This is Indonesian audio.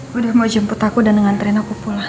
gue udah mau jemput aku dan nganterin aku pulang